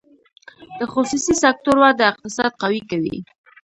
د خصوصي سکتور وده اقتصاد قوي کوي